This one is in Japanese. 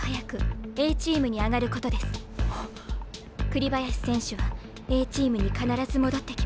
栗林選手はＡチームに必ず戻ってきます。